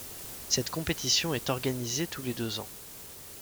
Cette compétition est organisée tous les deux ans.